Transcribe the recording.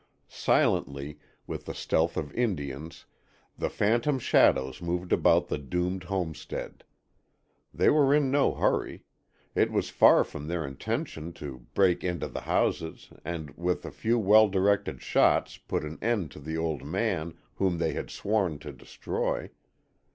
Silently, with the stealth of Indians, the phantom shadows moved about the doomed homestead. They were in no hurry. It was far from their intention to break into the house and with a few well directed shots put an end to the old man whom they had sworn to destroy.